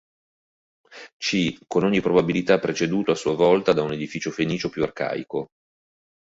C., con ogni probabilità preceduto a sua volta da un edificio fenicio più arcaico.